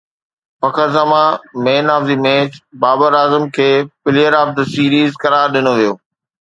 فخر Zaman man of the match Babar Azam کي player of the series قرار ڏنو ويو